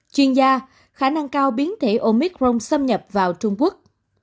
chuyên gia khả năng cao biến thể omicron xâm nhập vào trung quốc